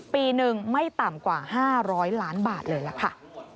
ปีหนึ่งไม่ต่ำกว่า๕๐๐ล้านบาทเลยล่ะค่ะ